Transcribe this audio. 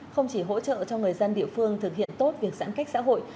không chỉ hỗ trợ cho người dân địa phương thực hiện tốt việc giãn cách xã hội